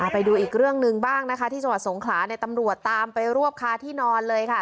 ไปดูอีกเรื่องหนึ่งบ้างนะคะที่จังหวัดสงขลาเนี่ยตำรวจตามไปรวบคาที่นอนเลยค่ะ